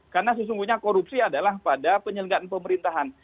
karena sesungguhnya korupsi adalah pada penyelenggaraan pemerintahan